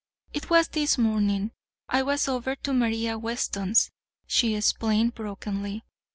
"It was this morning. I was over to Maria Weston's," she explained brokenly.